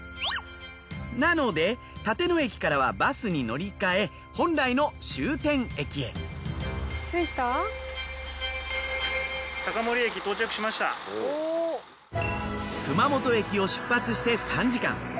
なので立野駅からはバスに乗り換え本来の終点駅へ。熊本駅を出発して３時間。